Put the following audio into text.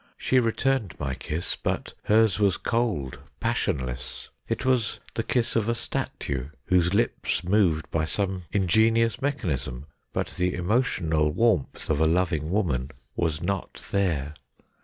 She returned my kiss, but hers was cold, passionless. It was the kiss of a statue, whose lips moved by some ingenious mechanism ; but the emotional warmth of a loving woman was not there.